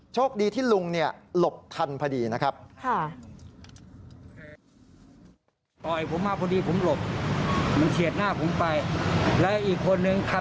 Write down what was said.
โชคดีที่ลุงหลบทันพอดีนะครับนะครับค่ะ